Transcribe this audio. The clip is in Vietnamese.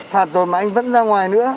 phạt rồi mà anh vẫn ra ngoài nữa